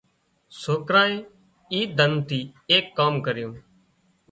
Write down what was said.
سوڪرانئي اي ڌن ٿي ايڪ ڪام ڪريون